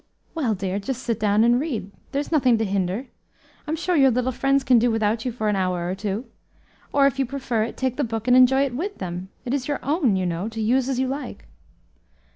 "Well, dear, just sit down and read; there's nothing to hinder. I'm sure your little friends can do without you for an hour or two. Or, if you prefer it, take the book and enjoy it with them; it is your own, you know, to use as you like."